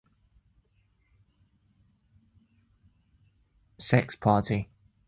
Sp.